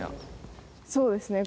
そうですね。